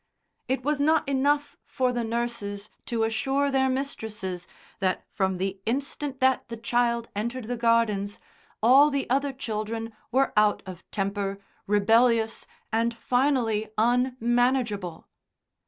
It was not enough for the nurses to assure their mistresses that from the instant that the child entered the gardens all the other children were out of temper, rebellious, and finally unmanageable.